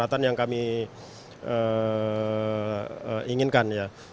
persyaratan yang kami inginkan